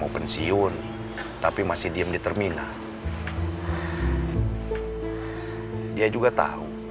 kinasi buat manja